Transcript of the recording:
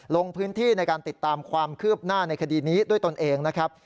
ลงพื้นที่ในการติดตามความคืบหน้าในคดีนี้ด้วยตนเองนะครับ